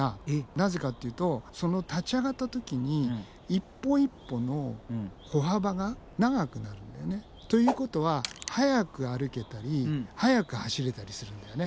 なぜかっていうとその立ち上がった時に一歩一歩の歩幅が長くなるんだよね。ということは速く歩けたり速く走れたりするんだよね。